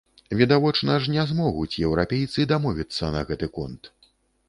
Відавочна ж, не змогуць еўрапейцы дамовіцца на гэты конт.